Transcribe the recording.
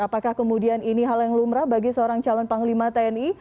apakah kemudian ini hal yang lumrah bagi seorang calon panglima tni